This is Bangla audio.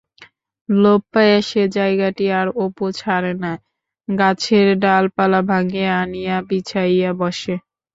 লোভ পাইয়া সে জায়গাটি আর অপু ছাড়ে না-গাছের ডালপালা ভাঙিয়া আনিয়া বিছাইয়া বসে।